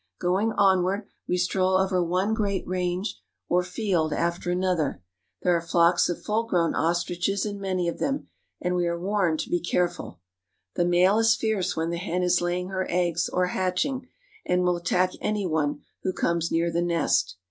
Going onward^ we stroll over one great range or field after another. There are flocks of f uU g^own ostriches in many of them, and we are warned to be careful. The male is fierce when the hen is laying her eggs or hatching, and will attack any one who comes near the nest.